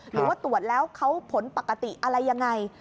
หรือว่าตรวจแล้วเขาผลปกติอะไรยังไง